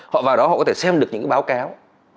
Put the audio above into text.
họ vào đó họ có thể xem được những báo cáo